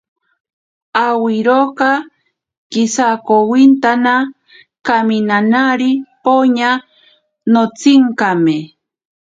Awiroka kisakowintana, kaminanari poña notsinkame.